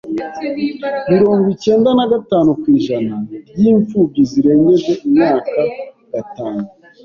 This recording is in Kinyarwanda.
Mirongo cyenda na gatanu kwijana ryimfubyi zirengeje imyaka gatanu.